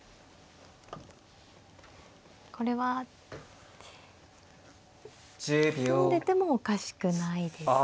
これは詰んでてもおかしくないですか。